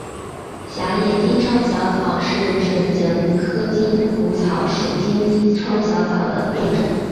狭叶金疮小草是唇形科筋骨草属金疮小草的变种。